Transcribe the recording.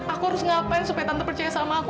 aku harus ngapain supaya tante percaya sama aku